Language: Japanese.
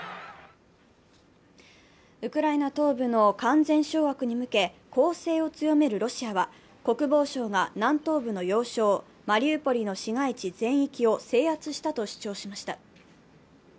ウクライナ東部の完全掌握に向け攻勢を強めるロシアは、国防省が、南東部の要衝、マリウポリの市街地全域を制圧したと主張しました。